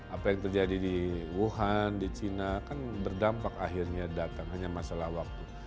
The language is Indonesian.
apa yang terjadi di wuhan di china kan berdampak akhirnya datang hanya masalah waktu